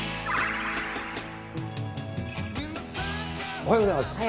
おはようございます。